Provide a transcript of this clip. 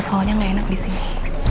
soalnya gak enak disini